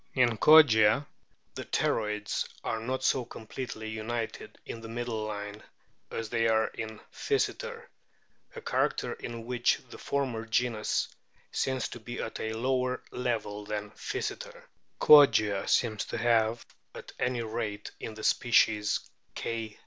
In Kogia the pterygoids are not so completely united in the middle line as they are in Physeter, a character in which the former genus seems to be at a lower level than Physeter ; Kogia seems to have (at any rate in the species K.